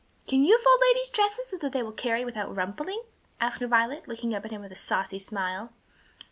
"Can you fold ladies' dresses so that they will carry without rumpling?" asked Violet, looking up at him with a saucy smile.